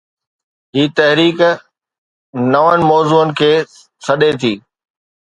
هي ’تحريڪ‘ نون موضوعن کي سڏي ٿي.